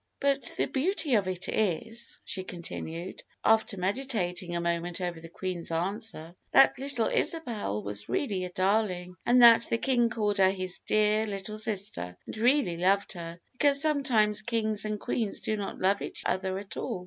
[Illustration: 0145] "But the beauty of it was," she continued, after meditating a moment over the Queen's answer, "that little Isabel was really a darling, and that the King called her 'his dear little sister,' and really loved her; because sometimes kings and queens do not love each other at all."